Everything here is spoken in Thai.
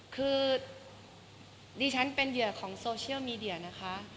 คือดิฉันเป็นเหยื่อของโซเชียลมีเดียนะคะ